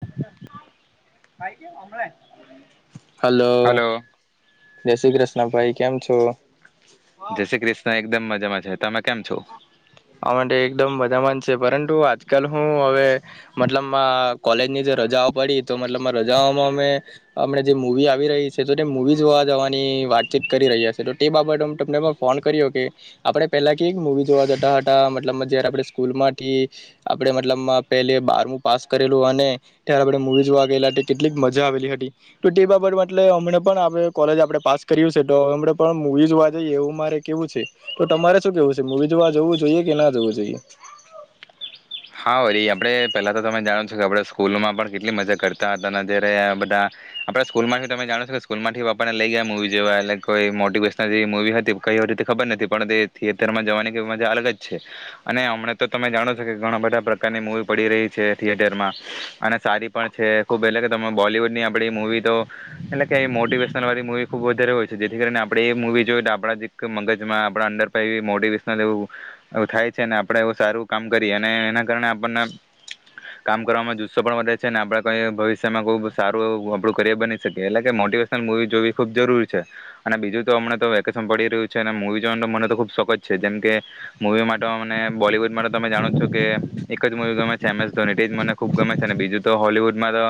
[unintelligible] Hello જય શ્રી કૃષ્ણ ભાઈ કેમ છો? જય શ્રીકૃષ્ણ એકદમ મજ જા મા છે તમે કેમ છો? આ માટે એકદમ બધામાં જ છે પરંતુ આજકાલ હું હવે મતલબમાં કોલેજની જે રજાઓ પડી તો મતલબમાં રજાઓમાં અમે હમણાં જે મૂવી આવી રહી છે તો તે મૂવી જોવા જવાની વાતચીત કરી રહ્યા છીએ. તો તે બાબત તમને ફોન કર્યો કે આપણે પહેલા કેવી મૂવી જોવા જ ટ ટ મતલબમાં જ્યારે આપણે સ્કૂલમાંથી આપણે મતલબમાં પેલે બારમું પાસ કરેલું અને ત્યારે આપણે મુવી જોવા ગયેલા તે કેટલીક મજા આવેલી હતી. તો તે બાબતમાં એટલે હમણાં પણ આપણે કોલેજ આપણે પાસ કર્યું છે તો હમણાં પણ મુવી જોવા જઈએ એવું મારે કેવું છે તો તમારે શું કેવું છે મુવી જોવા જવું. જોઈએ કે ના જવું જોઈએ? હા વરી આપડે પેલા તો તમે જાણો છો કે આપણે સ્કૂલ માં પણ કેટલી મજા કરતા હતા અને જ્યારે બધા આપણે સ્કૂલમાંથી તમે જાણો છો કે સ્કૂલ માંથી બાપાને લઈ ગયા મૂવી જેવા એટલે કોઈ મોટીિવેશનલ જે મૂવી હતી કઈ હતી તે ખબર નથી પણ તે થિયેટરમાં જવાનીઈ મજા અલગ જ છે અને હમણા તો તમે જાણો છો કે ઘણા બધા પ્રકારની મૂવી પડી રહી છે થિયેટરમાં અને સારી પણ છે ખુબ એટલે કે તમે બોલીવૂડ ની આપડી મૂવી તો એટલે કે મોટિવેશનલ વાળી મવી ખુબ વધારે હોય છે જેથી કરીને આપણે એ મૂવી જોઈ આપણા જ મગજમાં આપણા અંડર પણ એ મોટિવેશનલ એવું થાય છે ને આપણે એવું સારું કામ કરી અને એના કારણે આપણને કામ કરવાવામાં જુસ્સો પણ વધે છે અને આપણે કઈ ભવિષ્યમાં ખુબ સારું આપણું કરયર બની શકીએ એટલે કે મોટિવેશનલ મુવી જોવી ખુબ જરૂરી છે અને બીજું તો અમને તો વેકેશન પડી રહ્યું છે અને મૂવી જોવાનો મને તો ખુબ શોખ જ છે જેમ કે મૂવી માટે બોલીવૂડ માટે તમે જાણો છો જો કે એક જ મુવી ગમે છે એમ એસ ધોની તેજ મને ખુબ ગમે છે અને બીજું તો હોલવુડમાં તો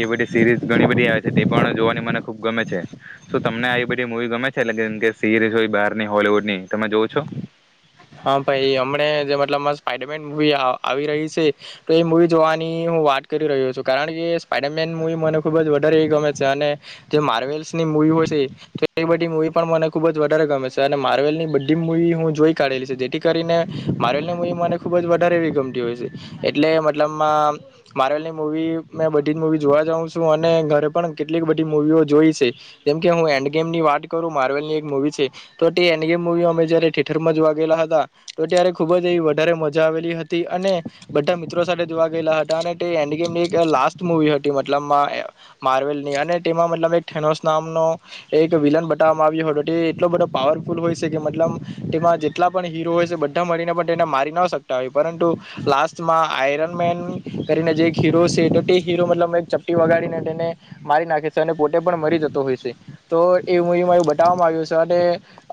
એ બધી સીરીઝ ઘણી બધી આવે છે તે પણ જોવાની મને ખુબ ગમે છે તો તમને આ બધી મુવી ગમે છે એટલે કેમ કે સીરીઝ હોય બહારની હોલીવૂડની તમે જોવ છો. હા ભાઈ હમને જે મતલબ સ્પાઈડરમેન મવી આવી રહી છે તો એ મુૂવી જોવાની હું વાત કરી રહ્યો છું કારણ કે સ્પાઈડરમેન મુવી મને ખુબ જ વધારે એ ગમે છે અને જે માર્વેલસ ની મુવી હોય છે તો એ બધી મુવી પણ મને ખુબ જ વધારે ગમે છે અને માર્વેલની બધી મુૂવી હું જોઈ કાઢેલી છે જેથી કરીને માર્વેલની મૂવી મને ખૂબ જ વધારે એવી ગમતી હોય છે એટલે મતલબમાં માર્વેલની મૂવી મેં બધી જ મૂવી જોવા જાઉં છું અને ઘરે પણ કેટલીક બધી મુૂવીઓ જોઈ છે જેમકે હું એન્ડ ગેમની વાત કરું માર્વેલની એક મૂવી છે તો તે એન્ડ ગેમ મુૂવીઓ અમે જયારે થેટર માં જોવા ત્યારે ખુબ એ વધારે મજા આવેલી હતી અને બધા મિત્રો સાથે જોવા ગયેલા હતા અને તેની લાસ્ટ મુવી હતી મતલબ માર્વેલની અને તેમાં મતલ નોસ નામનો એક વિલન બતાવવામાં આવ્યો હતો તે એટલો બધો પાવરફુલ હોય છે કે મતલબ તેમાં જેટલા પણ હીરો હોય છે બધા મળરીને પણ તેને મારી ન શકતા હોય પરંતુ લાસ્ટમાં આયરન મેન કરીને જે એક હીરો છે તો તે હીરો મતલબ એક ચપટી વગાડીને તેને મારી નાખે છે અને પોતે પણ મરી જતો હોય છે તો એ મૂવીમાં એવું બતાવવામાં આવ્યું છે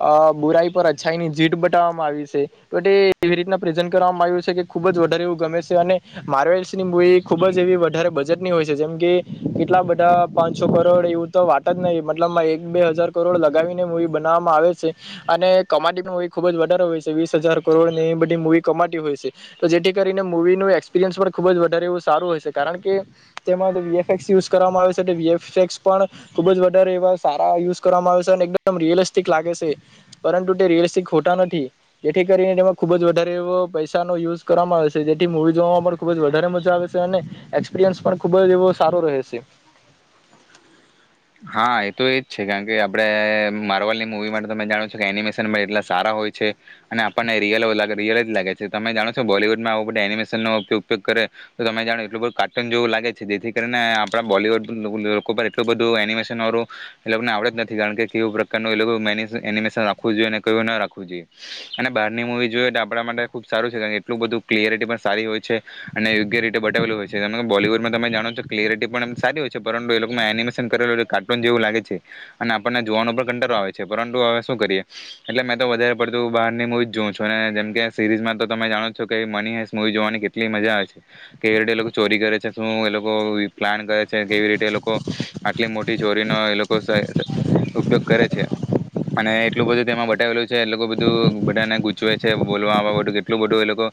કે બુરાઈ પર અચ્છાઈની જીત એવી રીતના પ્રેઝ કરવામાં આવ્યું છે કે ખુબ જ વધારે એવું ગમે છે અને માર્વેલ્સની મવી ખુબ જ એવી વધારે બજેટની હોય છે જેમ કે કેટલા બધા પાંચસો કરોડ એવું તો વાત જ નહી મતલબ એક બે હજાર કરોડ લગાવીને મવી બનાવવામાં આવે છે અને કમાટી પણ ખૂબ જ વધારે હોય છે વીસ હજાર કરોડ ને એ બધી મૂવી કમાતી હોય છે તો જેથી કરીને મૂવીનું એક્સપિરિયન્સ પણ ખૂબ જ વધારે એવું સારું હોય છે કારણ કે તેમાં જે વીએફએક્સ યુઝ કરવામાં આવે છે તે વીએફએક્સ પણ ખૂબ જ વધારે એવા સારા યુઝ કરવામાં આવે છે અને એકદમ રિયલિસ્ટિક લાગે છે પરંતુ તે રિયલિસ્ટિક ખોટા નથી જેથી કરીને તેમાં ખુબ જ વધારે એવો પૈસાનો યુઝ કરવામાં આવે છે જેથી મૂવી જોવામાં પણ ખૂબ જ વધારે મજા આવે છે અને એક્સપિરિયન્સ પણ ખૂબ જ એવો સારો રહે છે. હા એ તો એજ છે કારણ કે આપણે મારવાલ ની મુૂવી માટે તમે જાણો છો કે એનિમેશનમાં એટલા સારા હોય છે અને આપણને રિયલ રિયલ જ લાગે છે તમે જાણો છો બોલીિવુડમાં આવું બધ એનિમેશનનોો ઉપયોગ કરે તો તમે જાણો એટલું બધું કાર્ટૂન જેવું લાગે છે જેથી કરીને આપણા બોલીિવુડ લોકો એટલું બધું એનિમેન આવડ જ નથી કારણ કે કેવું પ્રકારનું એનિમેશન રાખવું જોઈએ અને કું ના રાખવું જોઈએ અને બહારની મુૂવી જોયએ આપણા માટે ખુબ સારું છે કાર એટલું બધું ક્લયરટી પણ સારી હોય છે અને યોગ્ય રીતે બતાવેલું હોય છે ત બોલીિવુડમાં તમે જાણો છો તો ક્લિરટી પણ સારી હોય છે પરંતુ એ લોકો એનિમેશન કરેલ હોય એટલે કાર્ટૂન જેવું લાગે છે અને આપણને જોવાનું પણ કંટરો આવે છે પરંતુ હવે શું કરીએ એટલે મેં તો વધારે પડતું બહારની મૂવી જોઉં છું જેમ કે સિરીઝમાં તો તમે જાણો છો કે મની હેસ મૂવી જોવાની કેટલી મજા આવે છે કેવી રીતે લોકો ચોરી કરે છે શું એ લોકો પ્લાન કરે છે કેવી રીતે એ લોકો આટલી મોટી ચોરીનો એ લોકો ઉપયોગ કરે છે અને એટલું બધું તેમાં બતાવેલું છે એટ લોકો બધું બધાને ગૂચવે છે બોલવાવા બધું એટલું બધું એ લોકો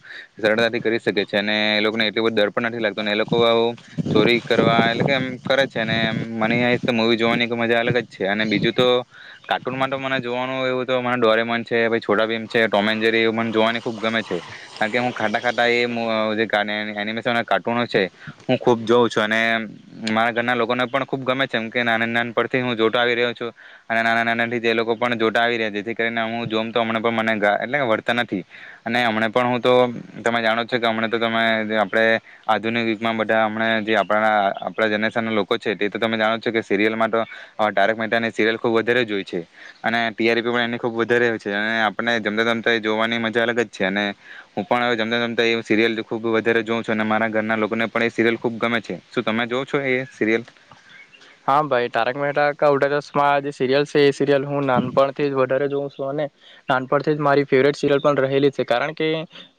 સરળતાથી કરી શકે છે અને એ લોકોને એટલું બધું દર પણ નથી લાગતું એ લોકો આવ ચોરી કરવા એટલે કે એમ કરે છે અને એ મને તો મૂવી જોવાની મજા અલગ જ છે અને બીજું તો કાર્ટૂન માટે મને જોવાનું એવું તો મને ડોરેમન છે છોટ ભીમ છે ટોમ એન્જરી મને જોવાની ખૂબ ગમે છે કારણ કે હું ખાતા ખાતા એ એનિમેશન કાર્ટૂનો છે હું ખુબ જોઉં છું અને મારા ઘરના લોકોને પણ ખુબ ગમે જેમ કે નાના નાના પરથી હું જોતોો આવી રહ્યો છું અને નાના નાના થી જે લોકો પણ જોતા આવી રહ્યા છે જેથી કરીને હું જોમ તો હમ મને એટલે વર્તા નથી અને હમને પણ હું તો તમે જાણો છો કે હમ તો તમે આપણે આધુનિક યુગમાં બધા હમ જે આપણા આપણા જનરેશન ના લોકો છે તે તો તમે જાણો કે સિરિયલમાં તો ડાર્ક મતાની સિરિયલ ખુબ વધારે જોય છે અને ટીઆરપી પણ એ ખૂબ વધારે હોય છે અને આપને જમતા જમતા જોવાની મજા અલગ જ છે અને હું પણ જમતામતા સીરિયલ ખુબ વધારે જોઉં છું અને મારા ઘરના લોકોને પણ એ સિરિયલ ખુબ ગમે છે શું તમે જોઉ છો એ સીરીઅલ? હા ભાઈ તારક મેહતા કા ઉલ્ટા ચશ્માં જે સીરીયલ છે એ સિરિયલ હું નાનપણથી જ વધારે જોઉં ભલે, નાનપણથી મારી ફેવરેટ સીરિયલ પણ રહેલી છે કારણ કે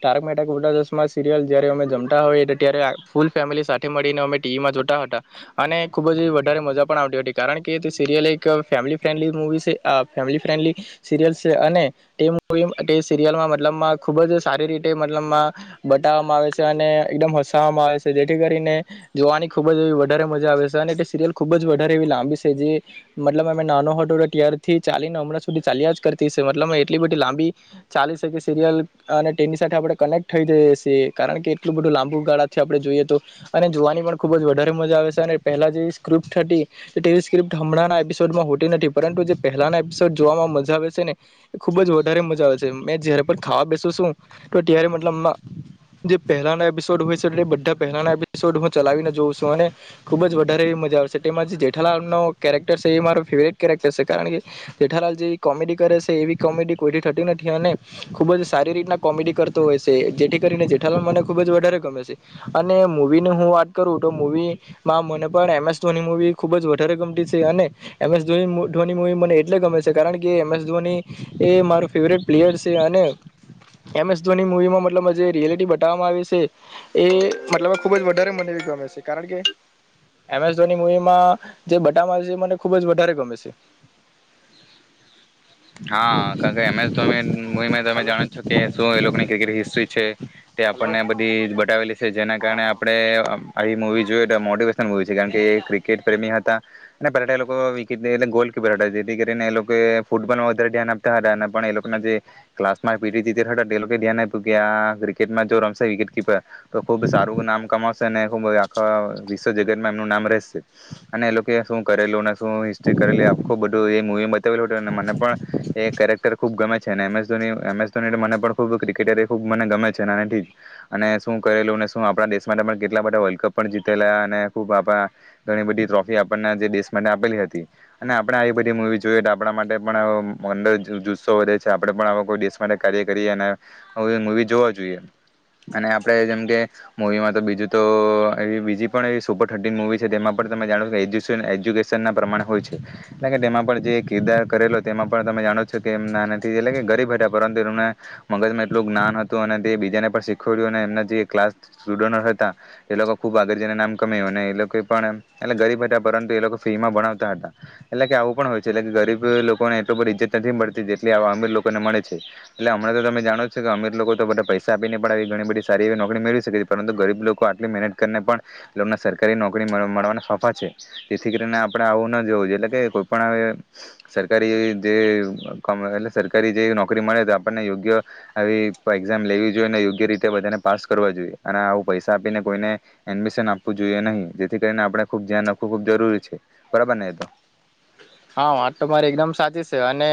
તારક મેહતા કા ઉલ્ટા ચશ્મા સીરિયલ જયારે અમે જમતા હોઈએ તો ત્યારે આ ફૂલ ફેમિલી સાથે મળીને અમે ટીવીમાં જોતા હતા અને ખૂબ જ વધારે મજા પણ આવતી હતી. કારણ કે તે સિરિયલ એક અ ફેમિલી ફ્રેન્ડલી મુવી શે. આ ફેમિલી ફ્રેન્ડલી સિરિયલ છે અને તે મુવી એમ તે સિરિયલમાં મતલબમાં ખૂબ જ સારી રીતે મતલબમાં બટવામાં આવે શે અને એકદમ હસાવવામાં આવે શે. જેથી કરીને જોવાની ખૂબ જ વધારે મજા આવે છે અને તે સિરિયલ ખુબ જ વધારે એવી લાંબી શે. જે મતલબ અમે નાનો હટો ત્યારથી ચાલીને હમણાં સુધી ચાલ્યા જ કરતી શે. મતલબ એટલી બધી લાંબી ચાલી શે કે સિરિયલ અને ટેની સાથે આપણે કનક્ટ થઈ જઈએ શીએ કારણ કે એટલું બધું લાંબુ ગાળાથી આપણે જોઈએ તો અને જોવાની પણ ખુબ જ વધારે મજા આવે શે અને પહેલા જે તે સ્ક્રપ્ટ હમણાં એપિસોડમાં હોતી નથી પરંતુ જે પહેલાના એપિસોડ જોવામાં મજા આવે છે ને, એ ખુબ જ વધારે મજા આવે છે મેં જયારે પણ ખાવા બેસુ છું તો ત્યારે મતલબ જે પહેલાના એપિસોડ હોય છે એ બધા પહેલાના એપિસોડ હું ચલાવીને જોઉં છું અને, ખુબ જ વધારે મ જેઠાલાલ ન કેરેક્ટર છે એ મારો ફેવરેટ કેરેક્ટર છે કારણ, કે જેઠાલાલ જે કોમેડી કરે છે એવી કોમેડી કોઈથી થતી નથી અને ખૂબ જ સારી રીતના કોમેડી કરતો હોય છે, જેથી કરીને જેઠાલાલ મને ખૂબ જ વધારે ગમે છે, અને મૂવીની હું વાત કરું તો મવીમાં મને પણ એમએસ ખુબ જ વધારે ગમતી છે અ, ને એમસ ધોની મવી મને એટલે ગમે છે કારણ કે એમ એસ ધોની એ માર ફેવરેટ પ્લેયર છે, અને એમ એસ ધોની મવીમાં મતલબ જે રિયાલિટી બતાવવામાં આવી છે, એ મતલબ ખુબ જ વધારે મને ગમે છે કારણ કેસ એમ એસ ધોની મૂવી માં જે બતાવામા આવે છે. એ મને ખુબ જ વધારે ગમે છે. હા કારણ કે એમસ ધોની તમે જાણો જ છો કે શું એ લોકોની ક્રિકેટ હિસ્ટ્રી છે તે આપણને બધીજ બતાવેલી છે જેના કારણે આપણે આવી મુવી જોએ તો મોટીવેશ [unintelligible] કારણ કે એ ક્રિકેટ પ્રેમી હતા. અને પેલા તો એ લોકો વિકેટ એટલે ગોલ કે પલા જેથી કરીને એ લોકો એ ફૂટબોલમાં વધારે ધ્યાન આપતા હતા અને પણ એ લોકોના જે ક્લાસમાં એ પીતી હતી તયારે એ લોકો ધ્યાન આપ્યું કે આ ક્રિકેટમાં જો રમશે વિકેટ કિપર તો ખુબ સારું નામ કમાશે અને ખુબ આખા વિશ્વ જગતમાં એમનું નામ રહેશે અને એ લોકોએ શું કરેલું ને શું હિસ્ટ્રી કરેલી આખું બધું એવી મુવી મા બતાવ મને પણ એ કેરેક્ટર ખુબ ગમે છે ને એમસ ધોની એમસ ધોની મને પણ ખબ ક્રિકેટરે ખુબ મને ગમે છે નાને થીજ અને શું કરેલું ને શું આપણા દેશ માટે પણ કેટલા બધા વર્લ્ડ કપ પણ જીતેલા અને ખૂબ આપણા ઘણી બધી ટ્રોફી આપણને જે દેશ માટે આપેલી હતી અને આપણે આવી બધી મુવી જોઈએ તો આપણા માટે પણ એમ અંદર જુ જુસ્સો વધે છે આપણે પણ કોઈ દેશ માટે કાર્ય કરીએ અને આવી મુવી જોવા જોઈએ અને આપણે જેમકે મુવીમાં તો બીજું તો એવી બીજી પણ એવી સુપર થર્ટીન મુવી છે તેમાં પણ તમે જાણો છો એજ્યુશન એજ્યુકેશન ના પ્રમાણે હોય છે એટલે કે તેમાં પણ જે કિરદાર કરેલો તેમાં પણ તમે જાણો છો કે એમના ના નથી એટલે ગરીબ હતા પરંતુ એમને મગજ માં એટલું જ્ઞાન હતું અને તે બીજાને પણ શીખવડ્યું અને એમના જે ક્લાસ સ્ટુડન્ટ હતા એ લોકો ખુબ આગળ જને નામ કમે્યું અને એ લોકો પણ એટલે ગરીબ હતા પરંતુ એ લોકો ફ્રીમાં ભણાવતા હતા એટલે કે આવું પણ હોય છે. એટલે કે ગરીબ લોકોને એટલુ બધી ઈજ્જત નથી મળતી જેટલી આવા અમીર લોકોને મળે છે એટલે હમણાં તો તમે જાણો છો કે અમીર લોકો તો બધા પૈસા આપીને પણ આવી ઘણી બધી સારી એવી નોકરી મેળવી શકે છે પરંતુ ગરીબ લોકો આટલી મહેનત કરીને પણ એ લોકોને સરકારી નોકરી મળ મળવાના ફાફા છે જેથી કરીને આપણે આવું ના જોવું એટલે કે કોઈ પણ આવે સરકારી જે કમાય એટલે સરકારી જેવી નોકરી મળે તો આપણને યોગ્ય આવી એકઝામ લેવી જોઈએ ને યોગ્ય રીતે બધાને પાસ કરવા જોઈએ અને આવું પૈસા આપીને કોઈને એડમિશન આપવું જોઈએ નહી જેથી કરીને આપણે ખુબ ધ્યાન રાખવું ખૂબ જરૂરી છે બરાબરને એ તો હા વાત તો મારી એકદમ સાચી છે અને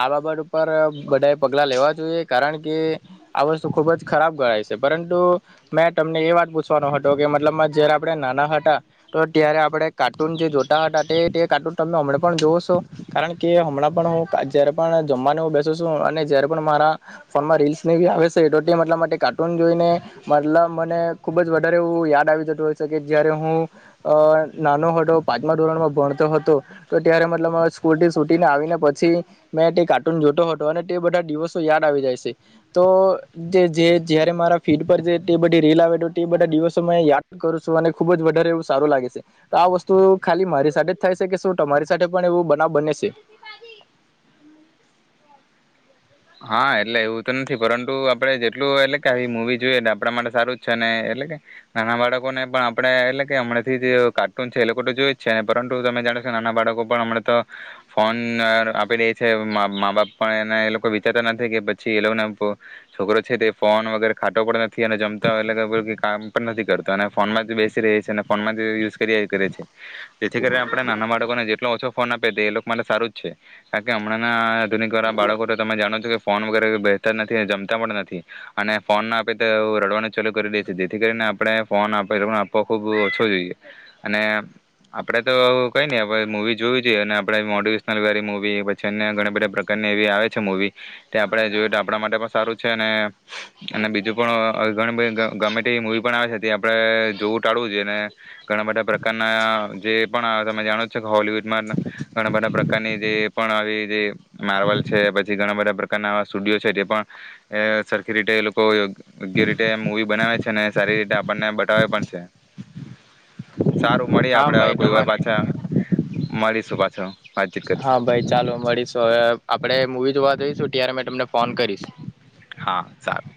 આ બાબત ઉપર બધાએ પગલા લેવા જોઈએ કારણ કે આ વસ્તુ ખુબ જ ખરાબ ગણાય છે પરંતુ મેં તમને એ વાત પૂછવાનો હતો કે મતલબમાં જયારે આપણે નાના હતા તો ત્યારે આપણે કાર્ટૂન જે જોતા હતા તે તે કાર્ટૂન તમને હમણે પણ જોવ છો કારણ કે હમણાં પણ હું જયારે પણ જમવાને હ બેસ છું અને જયારે પણ મારા ફોનમાં રીલ્સ નેવી આવે છે તો તે મતલબ માટે કાર્ટૂન જોઈને મતલબ મને ખુબ જ વધારે એવું યાદ આવી જતું હોય છે કે જયારે હું અ નાનો હતો પાંચમા ધોરણમાં ભણતો હતો. તો ત્યારે મતલબમાં સ્કૂલથી સુટીને આવીને પછી મેં તે કાર્ટૂન જોતો હતો અને તે બધા દિવસો યાદ આવી જાય છે તો જે જે જ્યારે મારા ફીડ પર જે તે બધી રીલ આવે તો તે બધા દિવસો મે યાદ કરું છું અને ખૂબ જ વધારે એવું સારું લાગે છે તો આ વસ્તુ ખાલી મારી સાથે જ થાય છે કે શું તમારી સાથે પણ એવો બનાવ બને છે. હા એટલે એવું તો નથી પરંતુ આપડે જેટ એટલું એટલે કે આવી મુવી જોઈએ ને આપણા માટે સારું છે ને એટલે કે, નાના બાળકોને પણ આપડે, એટલે કે હમણા થી જ કાર્ટૂન છે એલોકો તો જોયજ છે ને પરંતુ તમે જાણો છો, નાના બાળકો પણ હમણાં તો ફોન આપી દે છે, મા બાપ પણ એને એ લોકો કહેતા નથી કે પછી એ લોકો છોકરો છે, તે ફોન વગેરે ખાટો પણ નથી. એને જમતા [unintelligible] કામ પણ નથી કરતા, અને ફોનમાં બેસી રહી છે અને ફોનમાં જ યુઝ કર્યા કરે છે. જેથી કરી આપડે નાના બાળકોને જે જેટલો ઓછો ફોન આપે તે એ લોકો મતે સારું જ છે, કારણકે હમણાં ના [unintelligible] ના બાળકો તો તમે જાણોજ ફોન વગેરે બેહેતર નથી, જમતા પણ નથી અને ફોન ના આપે તો રડવાનું ચાલુ કરી દે છે, જેથી કરીને આપડે ફોન આપે આપવા ખૂબ ઓછો જોઈએ અને આપડે તો કઈ નહી મૂવી જોવી જોઈએ અને આપણે મોટિવેશનલ વાળી મૂવી, પછી અન્ય ઘણી બધા પ્રકારની એવી આવે છે મૂવી. તે આપડે જોયે તો આપડા માટે પણ સારું છે અને, અને બીજું પણ ઘણી બધી ગમેતે મુવી પણ આવે છે, તે આપણે જોવું ટાળવું જોઈએ, ને ઘણા બધા પ્રકારના જે પણ તમે જાણો છો કે હોલીવુડ માં ઘણા બધા પ્રકારની જે પણ આવી જે માર્વલ છે, પછી ઘણા બધા પ્રકાર સ્ટુડિયો છે, તે પણ સરખી રીતે એ લોકો યોગ્ય રીતે મુવી બનાવે છે, ને સારી રીતે આપણને બતાવે પણ છે. સારું, મળીએ હા આપડે, હવે ભાઈ કોઈ વાર તમારે પાછા. મારી [unintelligible] હા, ભાઈ ચાલો મળીશું, હવે આપડે મૂવી જોવા જઈશું. ત્યારે મેં તમને ફોન કરીશ. હા, સારું.